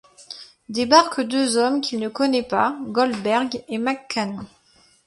Débarquent deux hommes qu'il ne connaît pas, Goldberg et McCann.